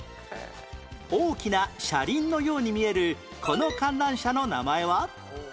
大きな車輪のように見えるこの観覧車の名前は？